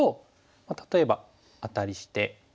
例えばアタリして。